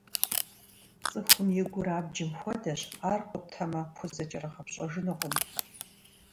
ЦӀыхум и гур абджым хуэдэщ, ар къутамэ, пхузэкӀэрыгъэпщӀэжынукъым.